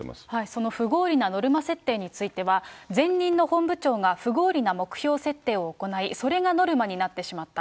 その不合理なノルマ設定については、前任の本部長が不合理な目標設定を行い、それがノルマになってしまった。